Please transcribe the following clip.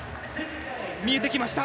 見えてきました。